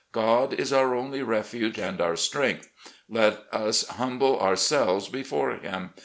God is our only refuge and our strength. Let us humble ourselves before Him.